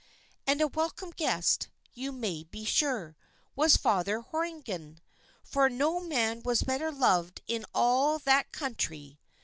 And a welcome guest, you may be sure, was Father Horrigan, for no man was better loved in all that country.